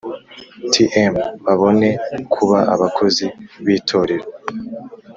Tm babone kuba abakozi b itorero